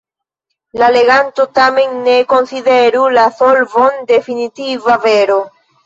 La leganto tamen ne konsideru la solvon definitiva vero.